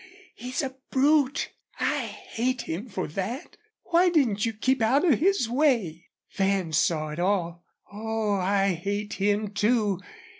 ... He's a brute! I hate him for that. Why didn't you keep out of his way? ... Van saw it all. Oh, I hate him, too!